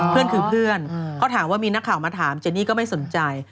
เพื่อนคือเพื่อนเขาถามว่ามีนักข่าวมาถามเจนี่ก็ไม่สนใจ